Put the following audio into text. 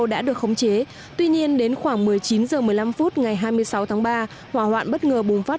đã được khống chế tuy nhiên đến khoảng một mươi chín h một mươi năm phút ngày hai mươi sáu tháng ba hỏa hoạn bất ngờ bùng phát